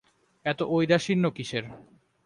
এত ঔদাসীন্য কিসের।